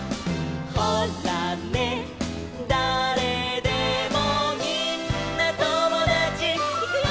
「ほらね誰でもみんなともだち」いくよ！